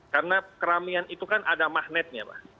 karena keramaian itu kan ada magnetnya